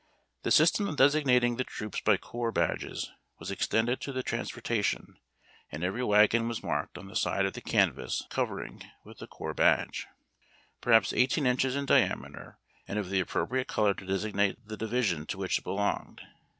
Tlie system of designating the troops by corps badges was extended to the transportation, and every wagon Avas marked on the side of the canvas covering with the corps badge, perhaps eighteen inches in diameter, and of the appropriate color to designate the divisioii to which it belonged.